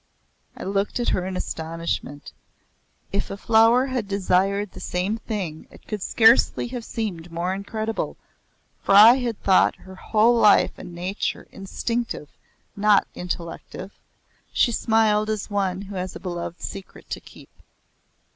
I looked at her in astonishment. If a flower had desired the same thing it could scarcely have seemed more incredible, for I had thought her whole life and nature instinctive not intellective. She smiled as one who has a beloved secret to keep.